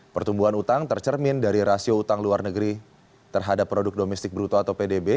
pertumbuhan utang tercermin dari rasio utang luar negeri terhadap produk domestik bruto atau pdb